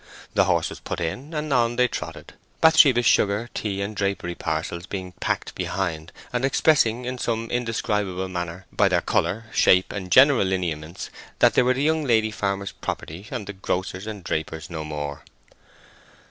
The horse was put in, and on they trotted—Bathsheba's sugar, tea, and drapery parcels being packed behind, and expressing in some indescribable manner, by their colour, shape, and general lineaments, that they were that young lady farmer's property, and the grocer's and draper's no more.